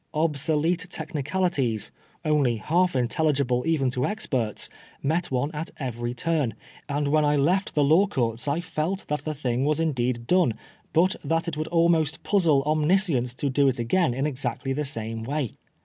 Obsolete technicalities, only half intelligible even to experts, met one at every turn, and when I left the Law Courts I felt that the thing was indeed done, but that it would almost puzzle omniscience to do it again in exactly the same way.